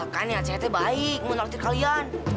kan acet baik nguntur ngaktir kalian